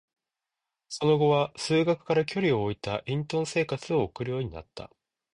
その後は、数学から距離を置いた隠遁生活を送るようになった。